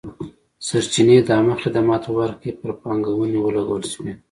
سرچینې د عامه خدماتو په برخه کې پر پانګونې ولګول شوې.